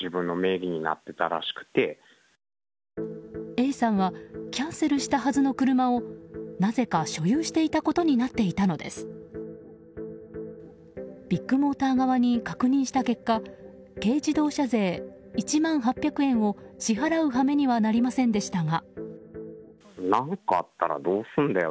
Ａさんはキャンセルしたはずの車をなぜか所有していたことになっていたのです。ビッグモーター側に確認した結果軽自動車税１万８００円を支払う羽目にはなりませんでしたが。